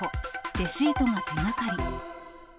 レシートが手がかり。